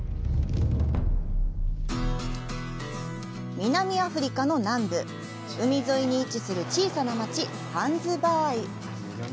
南アフリカの南部海沿いに位置する小さな街ハンズバーイ。